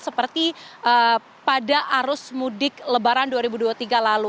seperti pada arus mudik lebaran dua ribu dua puluh tiga lalu